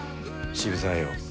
渋沢よ。